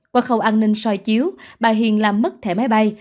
qua khâu an ninh soi chiếu bà hiền làm mất thẻ máy bay